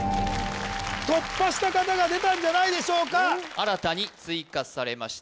突破した方が出たんじゃないでしょうか新たに追加されました